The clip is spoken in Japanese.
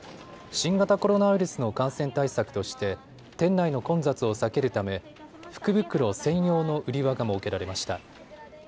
新型コロナウイルスの感染対策として店内の混雑を避けるため福袋専用の売り場が設けられました。